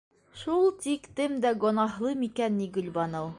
Шул тиклем дә гонаһлы микән ни Гөлбаныу?!